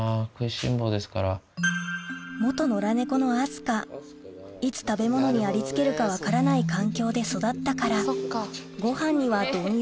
野良猫の明日香いつ食べ物にありつけるか分からない環境で育ったからごはんには貪欲